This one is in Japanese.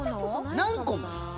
何個も？